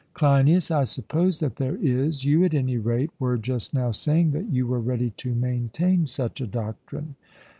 CLEINIAS: I suppose that there is; you at any rate, were just now saying that you were ready to maintain such a doctrine.